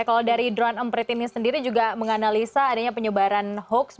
kalau dari drone emprit ini sendiri juga menganalisa adanya penyebaran hoax